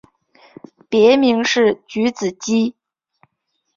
别名是菊子姬。